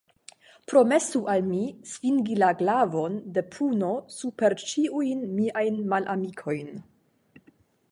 Promesu al mi svingi la glavon de puno super ĉiujn miajn malamikojn.